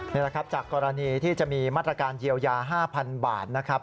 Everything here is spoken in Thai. นี่แหละครับจากกรณีที่จะมีมาตรการเยียวยา๕๐๐๐บาทนะครับ